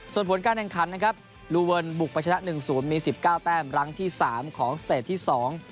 ส่วนผลการแข่งขันนะครับลูเวิร์นบุกไปชนะหนึ่งศูนย์มีสิบเก้าแต้มรั้งที่สามของสเตจที่สอง